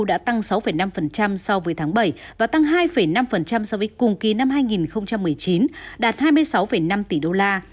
đã tăng sáu năm so với tháng bảy và tăng hai năm so với cùng kỳ năm hai nghìn một mươi chín đạt hai mươi sáu năm tỷ đô la